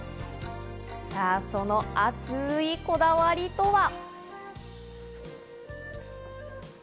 その熱いこだわりとは？